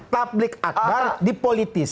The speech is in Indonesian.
takbik akbar dipolitis